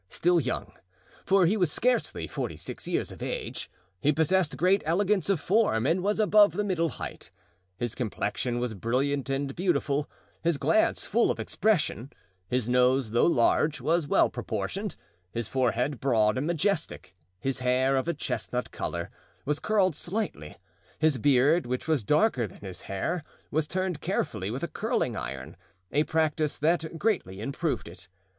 Still young—for he was scarcely forty six years of age—he possessed great elegance of form and was above the middle height; his complexion was brilliant and beautiful; his glance full of expression; his nose, though large, was well proportioned; his forehead broad and majestic; his hair, of a chestnut color, was curled slightly; his beard, which was darker than his hair, was turned carefully with a curling iron, a practice that greatly improved it.